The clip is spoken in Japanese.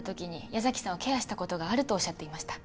矢崎さんをケアしたことがあるとおっしゃっていました